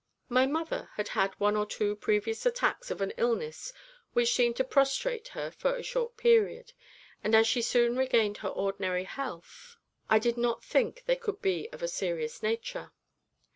My mother had had one or two previous attacks of an illness which seemed to prostrate her for a short period, and as she soon regained her ordinary health, I did not think they could be of a serious nature.